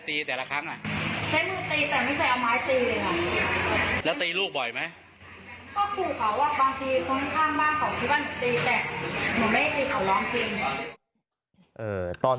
เหมือนไม่เคยเค้าร้องจริง